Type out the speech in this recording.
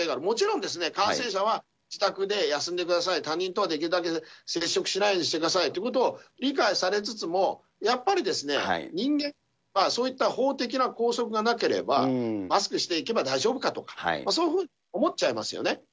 もちろんですね、感染者は自宅で休んでください、他人とはできるだけ接触しないようにしてくださいということを理解されつつもやっぱりですね、人間はそういった法的な拘束がなければ、マスクしていけば大丈夫だとか、そういうふうに思っちゃいますよね。